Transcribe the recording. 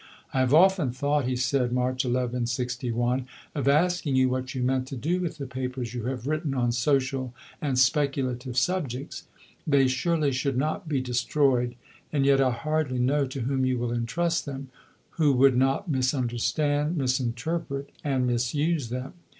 "I have often thought," he said (March 11, '61), "of asking you what you meant to do with the papers you have written on social and speculative subjects. They surely should not be destroyed; and yet I hardly know to whom you will entrust them, who would not misunderstand, misinterpret, and misuse them.